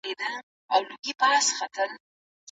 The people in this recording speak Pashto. مرتد ته سزا ورکول یو شرعي حکم دی.